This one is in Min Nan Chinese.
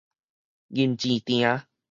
砛簷埕